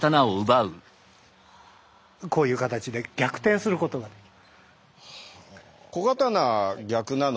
こういう形で逆転することができる。